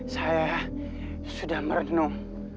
saya sudah merenung